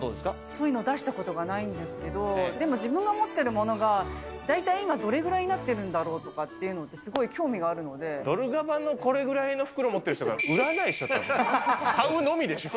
そういうの出したことないんですが、でも自分が持っているものが、大体今、どれぐらいになってるんだろうとかってすごい興味ドルガバのこれぐらいの袋持っている人が売らないでしょ。